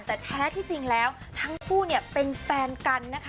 แต่แท้ที่จริงแล้วทั้งคู่เนี่ยเป็นแฟนกันนะคะ